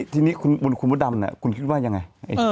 ทีนี้คุณมดดำคุณคิดว่ายังไง